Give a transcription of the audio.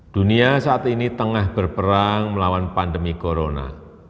dunia saat ini tengah berperang melawan pandemi corona